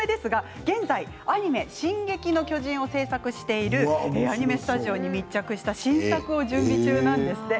現在、アニメ「進撃の巨人」を制作しているアニメスタジオに密着した新作を準備中なんですって。